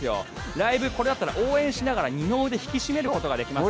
ライブでこれだったら応援しながら二の腕を鍛えることができます。